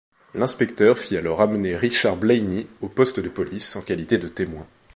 L'inspecteur fit alors amener Richard Blainey au poste de police en qualité de témoin.